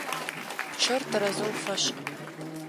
Пчъэр тэрэзэу фэшӀ!